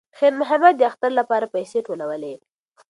خیر محمد د اختر لپاره پیسې ټولولې.